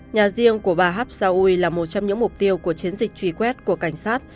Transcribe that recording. nhà riêng của bà hapsawui là một trong những mục tiêu của chiến dịch truy quét của cảnh sát